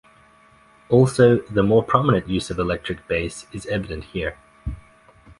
Also, the more prominent use of electric bass is evident here.